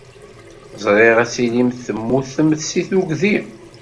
Ẓriɣ ad tilimt temmutemt seg tugdi.